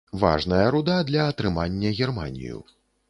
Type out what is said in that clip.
Важная руда для атрымання германію.